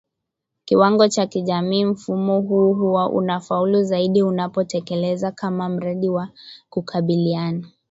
kiwango cha kijamii Mfumo huu huwa unafaulu zaidi unapotekelezwa kama mradi wa kukabiliana